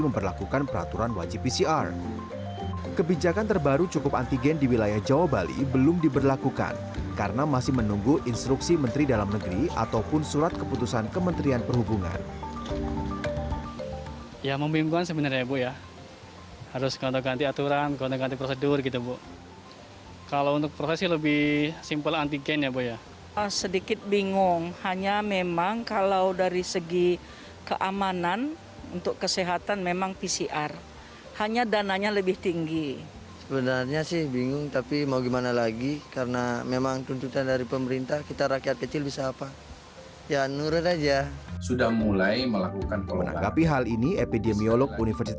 manapun kalau di dalam negeri